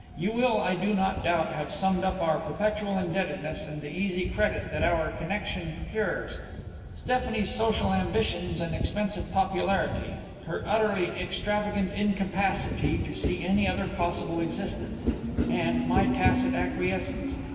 You will, I do not doubt, have summed up our perpetual indebtedness and the easy credit that our connexion procures; Stephanie's social ambitions and expensive popularity; her utterly extravagant incapacity to see any other possible existence; and my tacit acquiescence.